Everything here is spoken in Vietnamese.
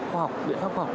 khoa học biện pháp khoa học